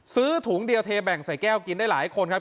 ซื้อถุงเดียวเทแบ่งใส่แก้วกินได้หลายคนครับ